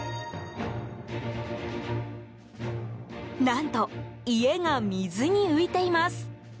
何と、家が水に浮いています。